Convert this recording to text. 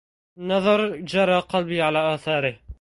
نظر جرى قلبي على آثاره